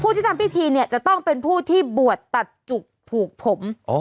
ที่ทำพิธีเนี่ยจะต้องเป็นผู้ที่บวชตัดจุกผูกผม